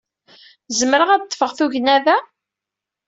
Zemreɣ ad d-ḍḍfeɣ tugna da?